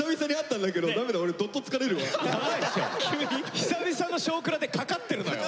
久々の「少クラ」でかかってるのよ。